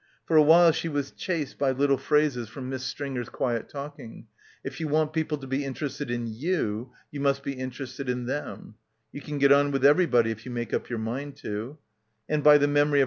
For a while she was chased by little phrases from Miss Stringer's — 236 — BACKWATER quiet talking — "if you want people to be inter? ested in you, you must be interested in them"; "you can get on with everybody if you make up your mind to" — arid by the memory of